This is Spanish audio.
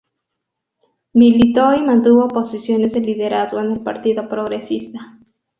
Militó y mantuvo posiciones de liderazgo en el Partido Progresista.